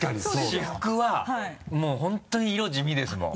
私服はもう本当に色地味ですもん。